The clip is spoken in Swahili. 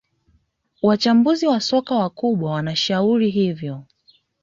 wachambuzi wa soka wakubwa wanashauri hivyo